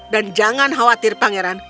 dan jangan khawatir pangeran